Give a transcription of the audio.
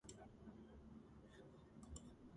გაბონის ყოფილი პრეზიდენტის ომარ ბონგოს შვილი.